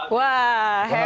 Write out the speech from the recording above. hebat gak tuh hane